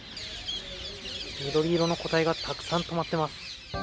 緑色の個体がたくさん止まっています。